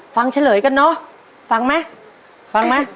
เฉลยกันเนอะฟังไหมฟังไหม